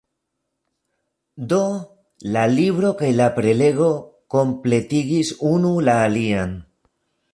Do, la libro kaj la prelego kompletigis unu la alian.